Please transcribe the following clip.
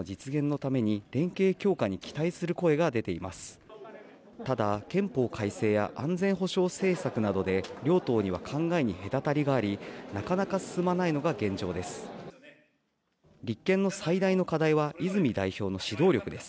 ただ、憲法改正や安全保障政策などで両党には考えに隔たりがありなかなか進まないのが現状です。